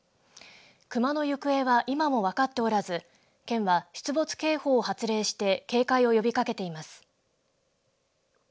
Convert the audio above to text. クマの行方は今も分かっておらず県は出没警報を発令して警戒を呼びかけています。